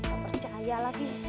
aku percaya lagi